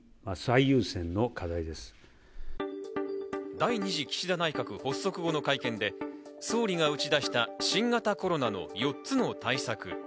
第２次岸田内閣発足後の会見で総理が打ち出した新型コロナの４つの対策。